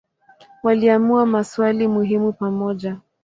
Waliamua maswali muhimu pamoja.